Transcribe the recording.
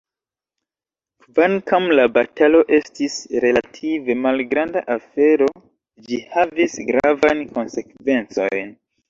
Kvankam la batalo estis relative malgranda afero, ĝi havis gravajn konsekvencojn.